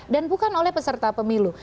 dan bukan oleh peserta pemilu